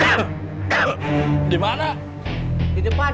kenapa kita minta tolong berisika sendiri di toko kan